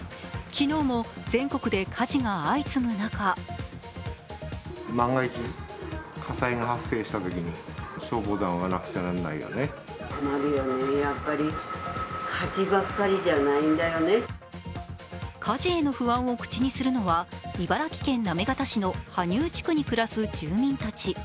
昨日も全国で火事が相次ぐ中火事への不安を口にするのは茨城県行方市の羽生地区に暮らす住民たち。